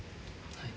はい。